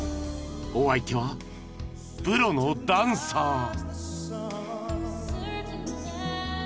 ［お相手はプロのダンサー］